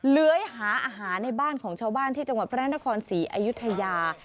เลื้อยหาอาหารในบ้านของชาวบ้านที่จังหวัดพระนครศรีอยุธยา